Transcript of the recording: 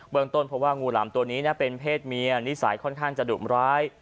ต้นเพราะว่างูหลามตัวนี้เป็นเพศเมียนิสัยค่อนข้างจะดุร้าย